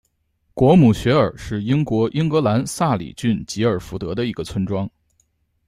果姆雪尔是英国英格兰萨里郡吉尔福德的一个村庄。